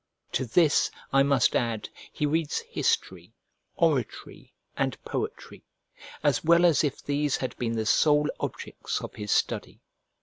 To this I must add, he reads history, oratory, and poetry, as well as if these had been the sole objects of his study.